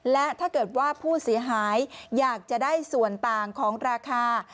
และถ้าเกิดว่าผู้เสียหายอยากจะได้ส่วนต่างของราคา